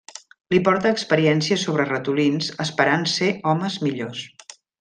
Li porta experiències sobre ratolins esperant ser homes millors.